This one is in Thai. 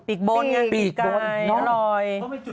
ปีกโบนไงปีกไก่อร่อย